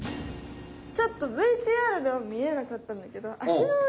ちょっとＶＴＲではみえなかったんだけどあ